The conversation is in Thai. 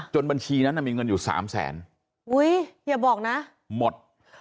จนบัญชีนั้นมีเงินอยู่๓แสนหมด